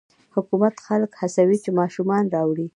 حکومت خلک هڅوي چې ماشومان راوړي.